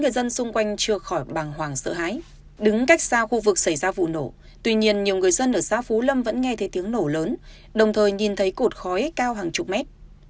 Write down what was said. đứng cách xa khu vực xảy ra vụ nổ tuy nhiên nhiều người dân ở xa phú lâm vẫn nghe thấy tiếng nổ lớn đồng thời nhìn thấy cột khói cao hàng chục mét